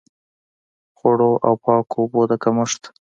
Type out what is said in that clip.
خوړو او پاکو اوبو د کمښت.